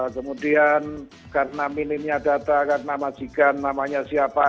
kemudian karena minimnya data karena majikan namanya siapa